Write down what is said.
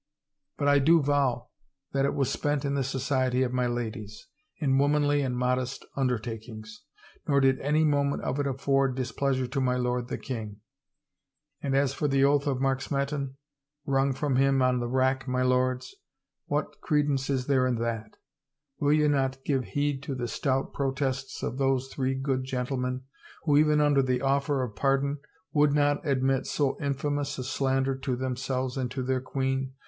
But I do vow that it was spent in the society of my ladies, in womanly and modest undertakings, nor did any mo ment of it afford displeasure to my lord, the king. And as for the oath of Mark Smeton — wrung from him on rack, my lords — what credence is there in that? Will ye not give heed to the stout protests of those three good gentlemen, who even under the offer of pardon, would not admit so infamous a slander to themselves and to their queen?